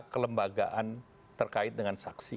kelembagaan terkait dengan saksi